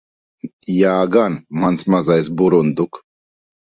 Jā gan, mans mazais burunduk.